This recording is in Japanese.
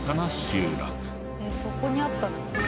そこにあったの？